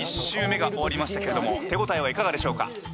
１周目が終わりましたけれども手応えはいかがでしょうか？